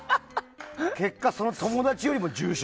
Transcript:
結果、その友達よりも重傷。